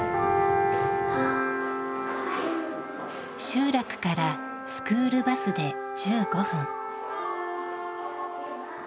集落からスクールバスで１５分。